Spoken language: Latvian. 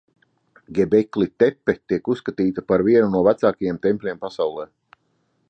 Gebekli Tepe tiek uzskatīta par vienu no vecākajiem tempļiem pasaulē.